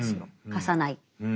貸さない。